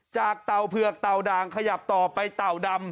เต่าเผือกเต่าด่างขยับต่อไปเต่าดำ